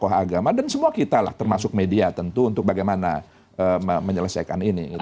tokoh agama dan semua kita lah termasuk media tentu untuk bagaimana menyelesaikan ini